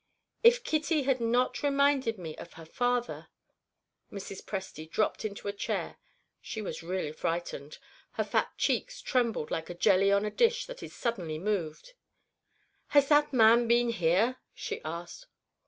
If Kitty had not reminded me of her father " Mrs. Presty dropped into a chair: she was really frightened. Her fat cheeks trembled like a jelly on a dish that is suddenly moved. "Has that man been here?" she asked.